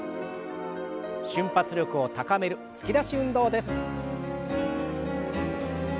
瞬発力を高める突き出し運動です。